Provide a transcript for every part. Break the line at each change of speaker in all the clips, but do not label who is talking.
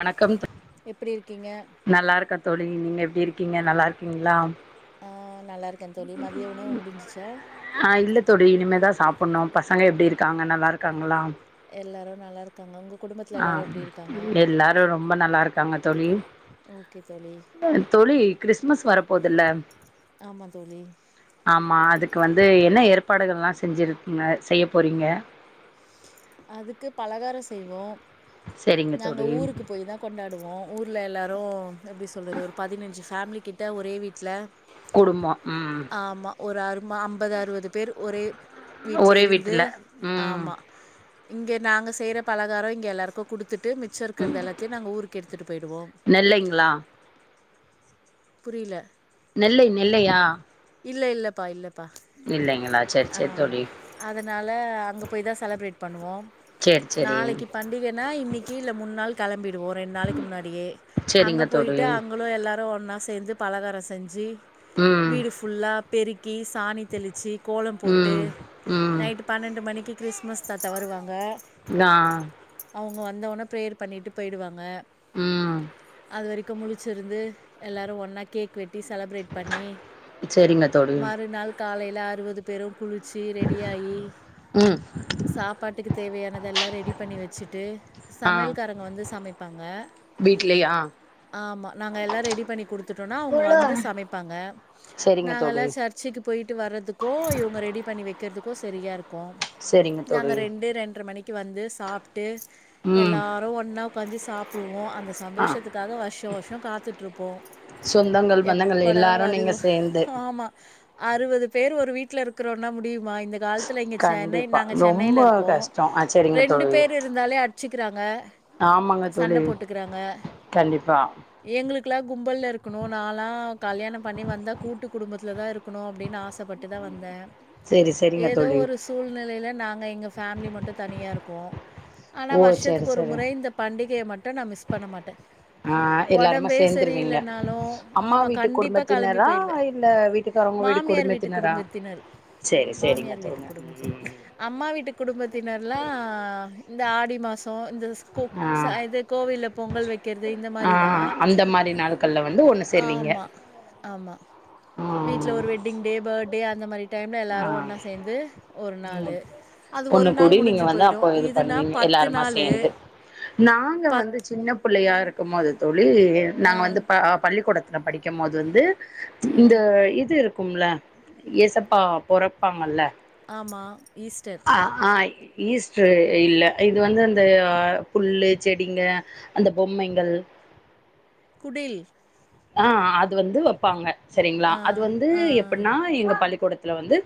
வணக்கம்த்.
எப்டி இருக்கீங்க
நல்லா இருக்க தோழி நீங்க எப்டி இருக்கீங்க நல்லா இருக்கீங்களா.
ஆ நல்லா இருக்கே தோழி மதிய உணவு முடிஞ்சிச்சா
ஆஹ் இல்ல தோழி இனிமேதா சாப். சாப்புண்ணு பசங்க எப்டி இருக்காங்க நல்லாருக்காங்ளா
எல்லாரு நல்லா இருக்காங்க, உங்க குடும்பத்துல
ஆ
எல்லாரு எப்டி இருக்காங்க.
எல்லாரு ரொம்ப நல்லா இருக்காங்க தோழி.
ஓகே தோழி.
தோழி கிறிஸ்மஸ் வரப்போதுல்ல.
ஆமா தோழி
க்கு வந்து என்ன ஏற்பாடுகல்லா செஞ்சிருக்கீங்க செய்ய போறீங்க.
அதுக்கு பலகார செய்வோ
செரிங்க
நாங்க
தோழி
ஊருக்கு போய்தா கொண்டாடுவோ ஊர்ல, எல்லாரு எப்டி சொல்றது ஒரு பதினஞ்சு பேமிலிக்கிட்ட ஒரே வீட்ல.
குடும்போ உம்.
அம்பது அறுபது பேர் ஒரே.
ஒரே வீட்ல உம்.
ஆமா இங்க நாங்க செய்ற பலகாரொ இங்க எல்லார்க்கு குடுத் த்துட்டு மிச்ச
ம்
இருக்குறது, எல்லாத்தையு நாங்க ஊருக்கு எடுத்துட்டு போய்டுவோ
நெல்லைங்களா
புரில
நெல்லை நெல்லையா
இல்ல இல்லப்பா இல்ல ப்பா,
நெல்லைங்களா செரி
அ
செரி தோழி
அதனால அங்க போய் தா செலப்ரேட் பண்ணுவோ
செரி செரி
நாளக்கி பண்டிகனா இன்னிக்கி இல்ல மூண் நாள் களம்பிட் ஓ ரெண் நாளக்கு முன்னாடியே அங்க
செரிங்க தோழி
போயிட்டு அங்களு எல்லாரு ஒன்னா சேர்ந்து பலகாரஸ் தஞ்சி
ம்
பெரி கி சாணி தெளிச்சி கோல போட்டு
ம் ம்
நைட்டு பன்னண்டு மணிக்கி கிறிஸ்மஸ் தாத்தா வருவாங்
நா
ஒ வந்தவன ப்ரேயர் பண்ணிட்டு பெய்டுவாங்க
ம்
அது வரிக்கு முளிச்சிருந்து எல்லாரு ஒன்னா கேக் வெட் டி செலப்ரேட் பண்ணி
செரிங்க தோழி
காலைல அறுவது பேரு குளுச்சி ரெடி ஆயி
ம்
சாப்பாட் டுக்கு தேவையானதெல்லா ரெடி பண்ணி வச்சிட்டு
ஆ
சமைல் காரங்க வந்து சமைப்பாங்க
வீட்லயா
ஆமா நாங்க எல்லாம் ரெடி பண்ணி குடுத் த்துட்டோன்னா அவுங்க வந்து சமைப்பாங்க
செரிங்க தோழி
நாங்கல்லாம் சர்ச்சிக்கு போயிட்டு வர்றதுக்கோ இவுங்க ரெடி பண்ணி வைக்கிறதுக்கோ சரியா இருக்
செரிங்க
நாங்க
தோழி
ரெண்டு ரெண்ட்ரை மணிக் ட்டு வந்து சாப் ட்டு
ம்
எல்லாரும் ஒன்னா ஒக்காஞ்சு சாப்பிடுவோம் அந் அந்த
ஆ
சந்தோஷத்துக்காக வர்ஷம் வர்ஷம் காத்துட்டு்ருப்போம்
சொந்தங்கள் பந்தங்கள்
எப்படா
எல்லாரு நீங்க
வருதோ
சேந்து
ஆமா அறுவது பேர் ஒரு வீட் வீட்ல இருக்குரோனா முடியும் மா இந்த காலத்துல இங்க சென்னை
கண்டிப்பா
நாங்க
ரொம்ப
சென்னைல்ல இருக்கோம்
கஷ்டோ ஆ செரிங்க
ரெண்டு
தோழி
பேர் இருந்தாலே அடிச்சிக்கிறாங்க
ஆமாங்க
சண்ட
தோழி
போட்டுக்குறாங்க
கண்டிப்பா
எங்களுக்குல்லாம் கும்பல்ல இருக் இருக்கணும் நாளா கல்யாணம் பண்ணி வந்த கூட்டு குடும்பத்துல தான் இருக்கணும் அப்டின்னு ஆசப்பட்டு தான் வந்தே
செரி செரிங்க
ஏதோ
தோழி
ஒரு சூழ்நிலைல நாங்க எங்க ஃபேமிலி மட்டும் தனியா இருக்கோ போ ஆனா
ஓ செரி
வர்ஷத்துக்கு ஒரு
செரி
முறை இந்த பண்டிகைய மட்டு டும் நா மிஸ் பண்ண மாட்டே
ஆ எல்லாருமா
ஒடம்பே
சேந்துருவீங்க
சரியில்லனாலு
அம்மா
ஆமா
வீட்டு
கண்டிப்பா கெளம்பி
குடும்பத்தினரா
போயிடுவே
இல்ல வீட்டுக்காரவங்க வீடு
மாமியார் வீட்டு
குடும்பத்தினரா
குடும்பத்தினர் ம்மா வீட்டு குடும்பத்தினர்ல இந்த ஆடி மாச தோ இந்த ஸ் சா
ஆ
இது கோவில்ல பொங்கல் வெக்கறது இந்த
ஆ
மாரி தான்
அந்த மாரி நாட்கள்ல வந்து ஒண்ணு சேருவீங்க
ஆமா ஆமா
ஆ
வீட்ல ஒரு வெட்டிங் டே பர்ட்டே அந்த மாரி டைம்ல
ஆ
எல்லாரும் ஒன்னா சேந்து ஒரு நாளு
ம்
அது
ஒண்ணு
ஒரு
கூடி
நாள்
நீங்க
முடிஞ்சு
வந்து
போயிடு
அப்போ இது
இதுனா
பண்ணுவீங்க
பத்து
எல்லாருமா
நாளு
சேந்து
பத்
இருக்குமோது தோழி தோழி
ஆ
நாங்க வந்து அ பள்ளிக்கூடத் நா படிக்கும் போது வந்து இந்த
ம்
இது இருக் கும்ல ஏசப்பா பொறப்பாங்கல்ல
ஆமா ஈஸ்டர்
ஆ ஆய் ஈஸ்ட்ரு இல்ல இது வந்து அந்த அ புல்லு செடிங்க அந்த பொம்மைங்கள்
குடில்
ஆ அது வந்து வப்பாங்க செரிங்ளா
ஆ
அது வந்து
ஆ ஆ
எப்பிட்னா இவ பள்ளிக் கூடத்துல வந்து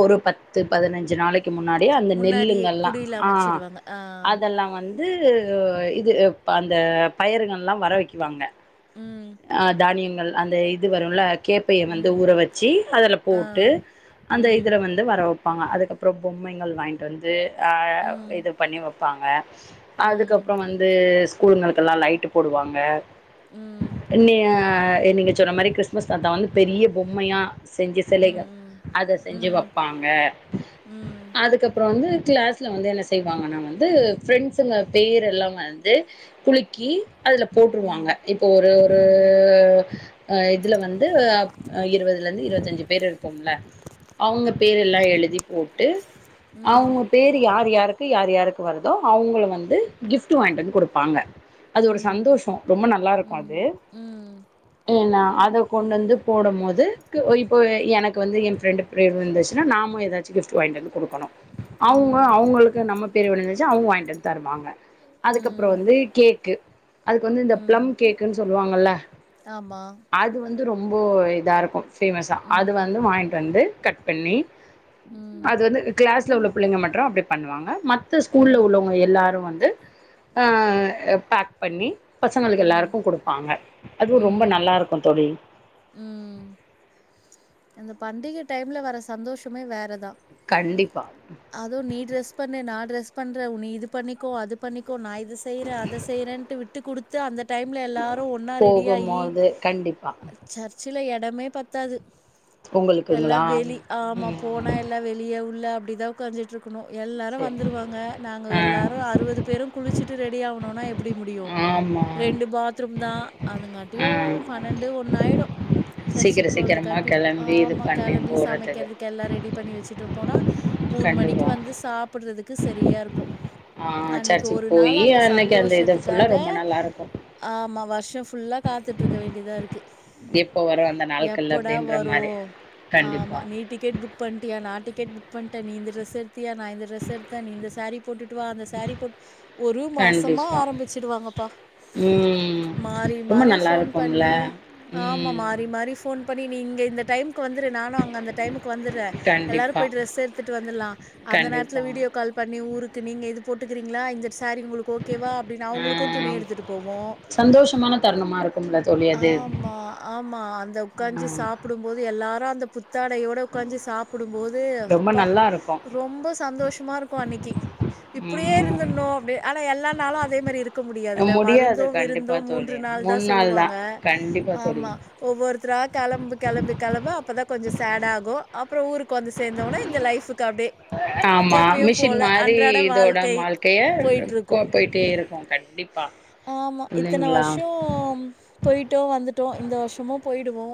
ஒரு பத்து பதினஞ்சு நாளைக் கு முன்னாடியே அந்த
முன்னாடியே
நெல்லுங்கல்லாம்
குடில்
ஆ
அமைச்சிடுவாங்க ஆ
அதெல்லாம் வந்து து இது அந்த பயருங்கல்லாம் வர வைக்குவாங்க
ம்
ஆ தானியங்கள் அந்த இது வருல கேப்பையை வந்து
ம்
ஊற வச்சு அதுல
ஆ
போட்டு அந்த
ம்
இதுல வந்து வர வப் ப்பாங்க அதுக்கப்றோம் பொம்மைங்கள் வாய்ன்ட்டு வந்து ஆ
ம்
இது பண்ணி வப்பாங்க
ம்
அதுக்கப்றோம் வந்து கூல்ங்கலுக்கெல்லாம் லைட் போடுவாங்க
ம்
ஆ நீங்க சொன்ன மாரி கிறிஸ்மஸ் தாத்தா வந்து பெரிய பொம்மையா செஞ்சு சிலைகள்
ம்
அத
ம்
செஞ்சு
ம்
வப்பாங்க
ம்
கிளாஸ்லே வந்து என்ன செய்வாங்கன்னா வந்து ஃப்ரெண்ஸ்ங்க பேரெல்லா வந்து குளுக்கி அதுல போட்ருவாங்க
ம்
இப்போ ஒரு ஒரு ஆ
ம்
அ இதுல வந்து ஆ இருவதுல இருந்து இருவத்தஞ்சு பேர் இருக் தொல்ல அவ்ங்க பேரெல்லா எழுதி போட்டு அவ்ங்க பேரு யாரு யாருக் கு யாரு யாருக்கு வருதோ அவ்ங்கள வந்து கிஃப்ட்டு வாங்கிட்டு வந்து குடுப்பாங்க அது ஒரு
ம் ம்
சந்தோஷோ ரொம்ப நல்லா இருக்கு அது ஏனா அத கொண்டு வந்து போடம் போது க்கு என்க்கு எனக்கு வந்து என் ஃப்ரெண்டு பேர் வந்துச்சுனா நாமு எதாச்சு கிஃப்ட்டு வாங்கிட்டு வந்து குடுக்கணு
ம்
அவ்ங்க
ம்
அவ்ங்களுக்கு நம்ம பேரு விழுந்துச்சா அவ்ங்க வாய்ன்ட்டுவந்து தருவாங்க அதுக்கப்றோ
ம்
வந்து கேக்கு அதுக்கு வந்து இந்த
ம்
பிளம் கேக்குன் சொல் வாங்கள
ஆமா
ம்போ இதா இருக்கு ஃபேமஸா அது
ம்
வந்து வாங்கிட்டு வந்து கட் பண்ணி
ம்
அது வந்து அந்த க்ளாஸ் ட்ல உள்ள புள்ளைங்க மற்று அப்டி பண்ணுவாங்க மத்த ஸ்கூல்ல
ம்
உள்ளவ்ங்க எல்லாரு வந்து ஆஹ் அஹ் பேக் பண்ணி பசங்களுக்கு
ம்
எல்லாருக்கு குடுப் பாங்க அதுவு ரொம்ப நல்லா இருக்கு தோழி
உம் அந்த பண்டிகை டைம்ல வர சந்தோஷமே வேறதா
கண்டிப்பா
அதுவு நீ ட்ரெஸ் பண்ணு நா ட்ரெஸ் மிஸ் பண்ற உன்ன இது பண்ணிக்கோ அது பண்ணிக்கோ நா இது இது செய்றே அத செய்றேன்ட்டு விட் ட்டு குடுத்து அந்த டைம்ல எல்லாரு ஒன்னா ரெடியாகி
போகும்போது கண்டிப்பா
அஹ் சர்ச்சுல எட எடமே பத்தாது எல்லா
உங்களுக்குங்களா
வெளி ஆமா
ம்
போனா எல்லா வெளிய உள்ள அப்டிதா ஒக்காந்துட்ருக் க்கனு எல்லாரு
சரி
வந்துருவாங்க நாங்க
ஆ
எல்லாரு அறுவது பேரு குளிச்சுட் ட்டு ரெடி ஆவ்ணுனா எப் ப்டி முடியு
ஆமா
ரெண்டு பாத்ரூம் தா அதுங்க
ஆ
ப்டியோ பன்னெண்டு ஒன்னாயிடும்
சீக்கிர சீக்கிரமா கெளம்பி இது
ஆமா
பண்ணி
கெளம்பி
போறதுக்கு
சமைக்கிறதுக்கு எல்லா‌ ரெடி பண்ணி வச்சுட்டு போனா மூண்‌ மணிக்கு
கண்டிப்பா
வந்து சாப்புட் புறதுக்கு சரியா‌ இருக்கு க்கும்
ஆ
அன்னிக்கு
சர்ச்சுக்கு
ஒரு
போயி
நாள் அந்த
அன்னைக்கு அந்த இது ஃபுல்லா
சந்தோஷத்துக்காக
ரொம்ப நல்லா இருக்கு
ஆமா வர்ஷோ ஃபுல்லா காத்துட்டுருக்க வேண்டியதா இருக்கு
எப்போ வரு‌ அந்த நாள்கள் அப்டின்
வரு ஆமா நீ டிக்கெட் புக் பண்ட்டியா நா டிக்கெட் புக் பண்டே நீ இந்த டிரெஸ் எடுத்தியா நா இந்த டிரெஸ் எடுத்தே நீ இந்த சாரி போட்டுட்டு வா அந்த சாரி போட் ஒரு மாசமா
கண்டிப்பா
ஆரம்பிச்சுடுவாங்கப்பா
ம்
மாறி
ரொம்ப
மாறி
நல்லா
போன்
இருக்கும்ல
பண்ணி ஆமா
ம்
மாறி மாறி போன் பண்ணி நீங்க இந்த டைம் க்கு வந்துரு நானு அங்க அந்த டைமுக்கு வந்துறே எல்லாரு
கண்டிப்பா
போய் ட்ரெஸ் எடுத்துட்டு வந்துலா அந்த நேரத்துல
கண்டிப்பா
வீடியோ கால் பண்ணி ஊரு நீங்க இது போட்டுக்கிறீங்களா இந்த ஸ் சாரி உங்களுக்கு ஓகேவா அப்டினு அவுங்களுக்கு துணி
ஆ
எடுத்துட்டு போவோ
சந்தோஷமான தருணமா இருக்கும்ல தோழி அது
ஆமா ஆமா அந்த ஒக்கான்ஜு
ம்
சாப்பிடும் போது எல்லாரு அந்த புத்தாடையோட உட்காஞ்சி சாப்புடும்போது
ரொம்ப
அப்பா
நல்லா இருக்கு
ரொம்ப சந்தோஷமா‌ இருக்கு அன்னிக்கி இப்டியே
ம்
இருந்தர்னு அப்டி ஆனா எல்லா நாளு அதே மாரி இரு க்க முடியாதுல
முடியாது
மருந்துதோ விருந்துதோ
கண்டிப்பா
மூன்று
தோழி
நாள் தா
மூணு
சொல்லுவாங்க
கண்டிப்பா தோழி
ஆமா ஒவ்வொருத்தரா கெளம்பு கெளம்பு கெளம்ப அப்ப தா கொஞ்சோ சேட் ஆகு அப்றோ ஊருக்கு வந்து சேர்ந்தோனே இந்த லைஃப்க்கு அப்டியே
ஆமா
எப்பயு
மிஷின்
போல
மாரி
அன்றாட
இதோட
வாழ்க்கை
வாழ்க்கைய
போயிட்ருக்கு
போயிட்டேருக்கு கண்டிப்பா இல்லைங்களா
போய்ட்டோ வந்துட்டோ இந்த வருஷமு‌ போயிடுவோ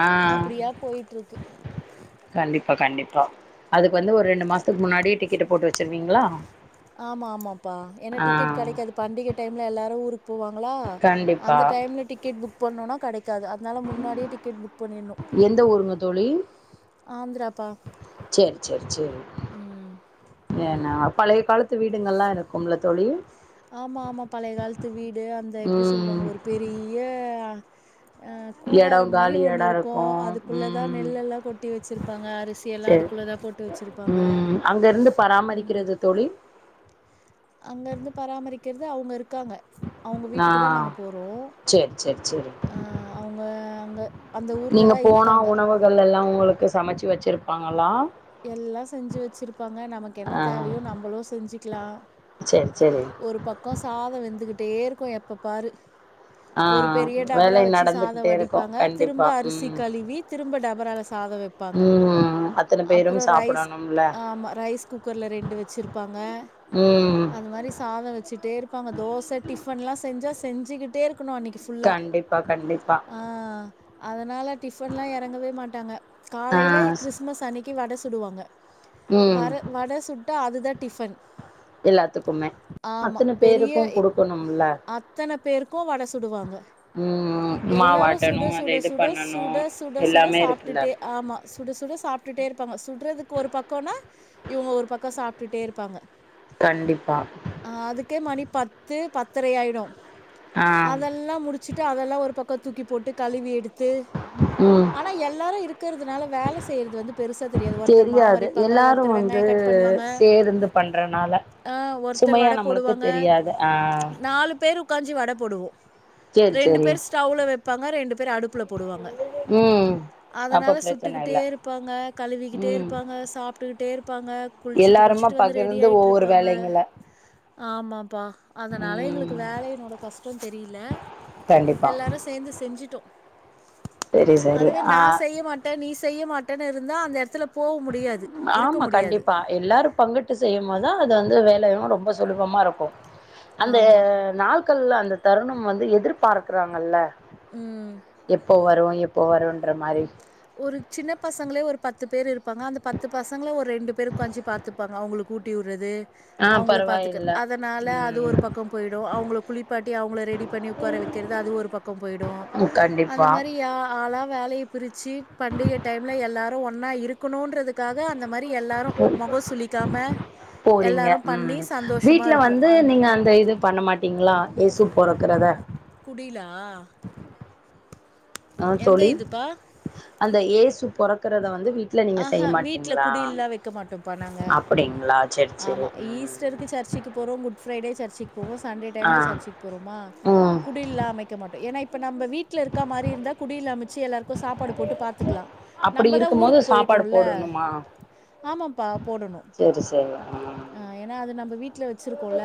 ஆ
அப்டியா போயிட்டுருக்கு
கண்டிப்பா கண்டிப்பா அதுக்கு வந்து ஒரு ரெண்டு மாசத்துக்கு முன்னாடி டிக்கெட் போட்டு வச்சிருவீங்களா
ஆமா ஆமாப்பா ஏனா
ஆ
டிக்கெட் கெடைக்காது பண்டிக டைம்ல எல்லாரு ஊருக்கு போவாங்களா
கண்டிப்பா
அந்த டைம்ல டிக்கெட் புக் பண்ணோம்னா கடைக்காது அதனால முன்னாடியே டிக்கெட் புக் பண்ணிட்ணும்
எந்த ஊருங்க தோழி
ஆந்திராப்பா
சேரி சேரி சேரி
உம்
ஏன்னா பழைய காலத்து வீடுங்கள்லா இருக்கும்ல தோழி
ஆமா ஆமா பழைய காலத்து வீடு அந்த எப்படி
ம்
சொல்லுவாங்க ஒரு பெரிய ஆ
எடோ
கூடார மாரி
காலி
ஒன்னு
எடோ
இருக்கு அதுக்குள்ளே தா
ம்
நெல்லெல்லாம் கொட்டி வச்சிருப்பாங்க அரிசியெல்லா
சேரி
அதுக்குள்ள தா போட்டு வச்சிருப்பாங்க
ம் அங்க இருந்து
ம்
பராமரிக்கிறது தோழி
அங்க இருந்து பராமரிக்கிறது அவங்க இருக் காங்க அவங்க
நா
வீட்டுக்கு தா நாங்க போறோ
சேரி சேரி சேரி
அ அவங்க அங்க அந்த ஊர்ல தா இருக்காங்க
கு சமைச்சு வச்சுருப்பாங்களா
எல்லா செஞ்சு வச்சிருப்பாங்க நமக்கு என்ன
ஆ
தேவையோ நம்மளும் செஞ்சுக்கலாம்
சேரி சேரி
ஒரு பக்கம் சாதம் வெந்துகிட் ட்டே இருக்கு எப்ப பாரு
ஆ
ஒரு பெரிய டாபரா
வேலை
வச்சு சாதம்
நடந்துகிட்டே இருக்கு
வடிப்பாங்க திரும்ப
கண்டிப்பா
அரிசி கழுவி திரும்ப டப் டபரா
உம் அத்தன பேரும்
அப்புறம் ரைஸ்
சாப்பிடணும்ல
ஆமா ரைஸ் குக்கர்ல ரெண்டு வச்சுருப்பாங்க
ம்
அது மாதிரி சாதம் வச்சுட்டே இருப்பாங்க தோச டிஃபன்லாம் செஞ் சா செஞ்சுக்கிட்டே இருக் ணும் அன்னைக்கு ஃபுல்லா
கண்டிப்பா கண்டிப்பா
ஆ அதனால டிபன்லாம் இறங்கவே மாட்டாங்க
ஆ
காலைல கிறிஸ்துமஸ் அன்னைக் கி வட சுடுவாங்க
ம்
வர வட சுட் டா அதுதா டிஃபன்
எல்லாத்துக்குமே
ஆமா
அத்தன
பெரிய
பேருக்கு
எ
குடுக்கணும்ல
அத்தன பேருக்கும் வட சுடுவாங்க
ம்
எல்லாரு
மாவாட்டணு
சுட
அத
சுட
இது
சுட
பண்ணணு
சுட சுட சுட
எல்லாமே இருக்குல்ல
சாப்பிட்டுட்டே ஆமா சுட சுட சாப்ட் சுட்டுட்டே இருப்பாங்க சுட்ரதுக்கு ஒரு பக்கம்னா இவங்க ஒரு பக்கம் சாப்ட் ட்டே இருப்பாங்க
கண்டிப்பா
அ அதுக்கே மணி பத்து பத் தரையாயிடும்
ஆ
அதெல்லாம் முடிச்சுட்டு அதெல்லாம் ஒரு பக் க தூக்கி போட்டு கழுவி எடுத் து
ம்
ஆனா எல்லாரும் இருக்கிறதுனால வேல செய்றது வந்து பெருசாக தெரியாது ஒருத்தர் மாவு
தெரியாது
அரைப்பாங்க
எல்லாரும்
ஒருத்தர்
வந்து
வெங்காயம் கட் பண்ணுவாங்க
சேர்ந்து பண்றனால
ஆஹ், ஒருத்தர்
சுமையா
வடை
நம்மளுக்கு தெரியாது ஆ
ப்பேர் உக்காஞ்சி வட போடுவோ
சேரி
ரெண்டு
சேரி
பேர் ஸ்டவ்ல வெப் பாங்க ரெண்டு ப்பேர் அடுப்புல போடுவாங்க
ம்
அதனால
அப்ப பிரச்சன
சுட்டுக்கிட்டே
இல்ல
இருப்பாங்க பெரிக்கிட்டே
ம்
இருப்பாங்க சாப்பிட் ட்டுட்டே ப்பாங்க குளிச்சுட்டு
எல்லாருமா
குளிச்சுட்டு வந்து ரெடி
பகிர்ந்து
ஆயிட்டு
ஒவ்வொரு
இருப்பாங்க
வேலைங்கள
ஆமாப்பா அதனால எங்களுக்கு
ம்
வேலையனோட கஷ்டம் தெரியல
கண்டிப்பா
எல்லாரும் சேந்து செஞ்சுட்டோம்
சரி சரி
அதுவே
ஆ
நான் செய்ய மாட்டேன் நீ செய்ய மாட்டே த்தண இருக் ந்தா அந்த எடத்துல
ஆமா கண்டிப்பா எல்லாரும் பங்கிட்டு செய்யும்போதான் அது அந்த வேலயு ப்ப ரொம்ப சுலபமா இருக்கு அந்த
ஆமாம்
நாள் மக்கல்லா அந்த தருணம் வந்து எதிர்பார்க்கறாங்கல்ல
ம்
எப்போ வரவாய் எப்போ வரும்ன்ற மாரி
ஒரு சின்ன பசங்களே ஒரு பத்து பேர் இருப்பாங்க அந்த பத்து பசங்கள ஒரு ரெண்டு பேர் உட்காஞ்சி பாத்துப்பாங்க அவங்களுக்கு ஊட்டி விடுறது
ஆ
அவங்கள பத்தூக்க
பரவாயில்ல
அதனால அது
ம்
ஒரு பக்கம் போயிடும் அவங்கள குளிப்பாட்டி அவங்கள ரெடி பண்ணி உட்கார வைக்கிறது அது ஒரு பக்கம் போயிடும் அந்த
கண்டிப்பா
மாதிரி ஆளா வேலைய பிரிச்சு பண்டிக டைம்ல எல்லாரும் ஒண்ணா இருக்கணும்ன்றதுக்காக அந்த மாதிரி
போறீங்க
எல்லாரும்
உம்
பண்ணி சந்தோஷமா
வீட்டுல
இருப்போம்.
வந்து நீங்க அந்த இது பண்ண மாட்டீங்களா ஏசு போறக்கிறத
குடிலா
ஆ
எந்த
தோழி
இதுப்பா?
ஏசு பொறக்கறத வந்து வீட் ல நீங்க
ஆஹ
செய்ய
வீட்ல
மாட்டீங்களா
குடில்லாம் வைக்க மாட்டோம்ப்பா நாங்க.
அப்படிங்களா
ஆமா ஈஸ்டருக்கு சர்ச்சக்கு போறோம் கூ ஃப்ரைடே சர்ச்சுக்கு போவோ சண்டே
ஆ
டைம்ல சர்ச்சுக்கு போறோமா
ம்
குடில்லா அமைக்க மாட்டோம் எனாப் இப்ப நம்ம வீட்டல இருக்கா மாதிரி இருந்தா குடில் அமைச்சு எல்லாருக்கு சாப்பாடு போட்டு பாத்துக்கலாம்
அப்டி
நம்மதா
இருக்கும் போது
ஊருக்கு
சாப்பாடு
போயிட்டுறோம்ல ஆமா பா
சரி சரி ம்
ஆ ஏன்னா அது நம் வீட் ல வச்சிருக்கோம்ல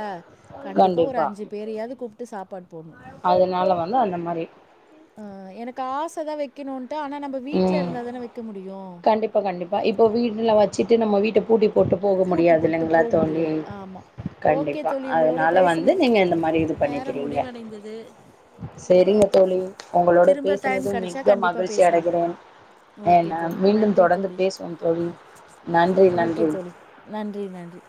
கண்டிப்பா ஒரு அஞ்சு பேறையாவது கூப்ட்டு சாப்பாடு போணும்
அதனால வந்து அந்த மாரி
ஆ எனக்கு காசு தா வெக்கோனு
உம் கண்டிப்பா கண்டிப்பா இப்போ வீடுல வச் சிட்டு நம்ம வீட்ட பூடிப் போட்டு போக
பூட்டு
முடியாது
போட்டு
இல்லைங்களா
போ
தோழி
முடியாது. ஆமா. ஓகே
கண்டிப்பா
தோழி உங்களோட
அதனால வந்து
பேசுன
நீங்க இந்த மாரி இது
நேரம்
பண்ணிக்கிறீங்க
முடிவடைந்தது.
சரிங்க தோழி உங்களோட
திரும்ப டைம்
பேசுனதும்
கெடைச்சா
மிக்க
கண்டிப்பாக
மகிழ்ச்சி அட
பேசலாம்
குடன் அ
ஓகே
நா
தோழி
மீண்டும்
நன்றி
தொடர்ந்து
தோழி
பேசுவோம் தோழி நன்றி
ஓகே
நன்றி
தோழி நன்றி நன்றி